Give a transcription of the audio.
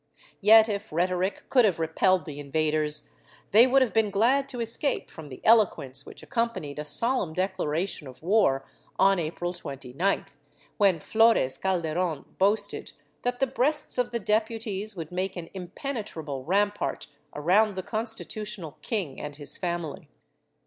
Yet, if rhetoric could have repelled the invaders, they would have been glad to escape from the eloquence which accompanied a solemn declaration of war on April 29th, when Florez Calderon boasted that the breasts of the deputies would make an impenetrable rampart around the constitutional King and his family.